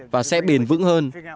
và sẽ bền vững hơn